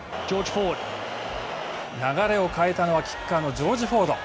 流れを変えたのはキッカーのジョージ・フォード。